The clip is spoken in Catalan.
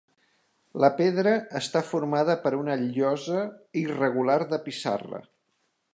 La pedra està formada per una llosa irregular de pissarra.